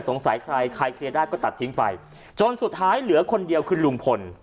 ใครใครเคลียร์ได้ก็ตัดทิ้งไปจนสุดท้ายเหลือคนเดียวคือลุงพล